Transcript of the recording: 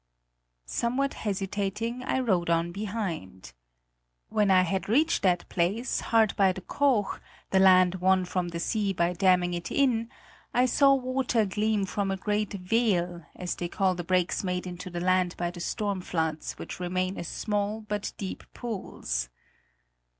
Somewhat hesitating, I rode on behind. When I had reached that place, hard by the "Koog," the land won from the sea by damming it in, I saw water gleam from a great "Wehl," as they call the breaks made into the land by the storm floods which remain as small but deep pools.